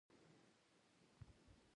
له حقونو محروم ګاڼه